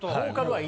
はい。